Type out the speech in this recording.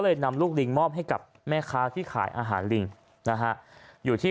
นำลูกลิงมอบให้กับแม่ค้าที่ขายอาหารลิงนะฮะอยู่ที่